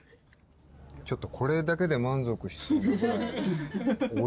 ちょっとこれだけで満足しそうなぐらいおいしい。